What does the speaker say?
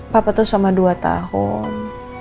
papa tuh selama dua tahun